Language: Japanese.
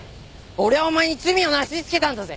俺はお前に罪をなすりつけたんだぜ。